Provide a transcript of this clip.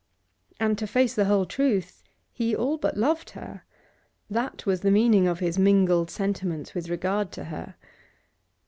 And, to face the whole truth, he all but loved her; that was the meaning of his mingled sentiments with regard to her.